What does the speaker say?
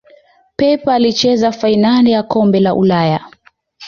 pep alicheza fainali ya kombe la ulaya